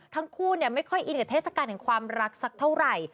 ทั้งคู่ไม่ค่อยอินกับเทศกาลแห่งความรักสักเท่าไหร่